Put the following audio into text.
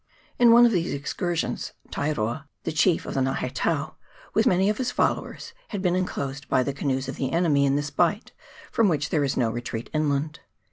In one of these excursions, Tairoa, the chief of the Ngaheitao, with many of his followers, had been enclosed by the canoes of the enemy in this bight, from which there is no retreat inland.